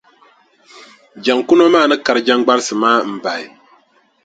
Jaŋkuno maa ni kari jaŋgbarisi maa m-bahi.